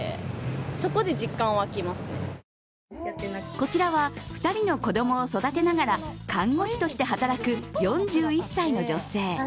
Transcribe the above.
こちらは２人の子供を育てながら看護師として働く４１歳の女性。